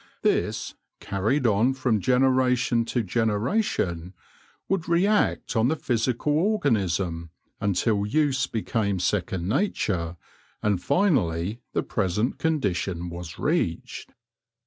This, carried on from generation to generation, would react on the physical organism until use became second nature, and finally the present condition was reached.